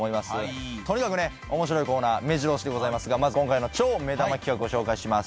とにかくね面白いコーナーめじろ押しでございますがまず今回の超目玉企画を紹介します。